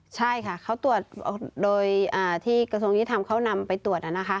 ใช่ค่ะเขาตรวจโดยที่กระทรวงยุทธรรมเขานำไปตรวจ